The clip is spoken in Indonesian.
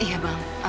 dia selalu berbigit